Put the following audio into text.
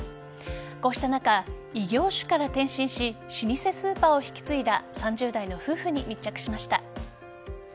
こうした中、異業種から転身し老舗スーパーを引き継いだ３０代の夫婦に密着しました。